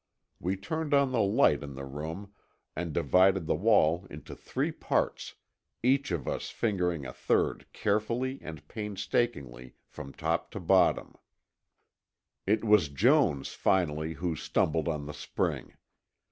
We turned on the light in the room, and divided the wall into three parts, each of us fingering a third carefully and painstakingly from top to bottom. It was Jones finally who stumbled on the spring.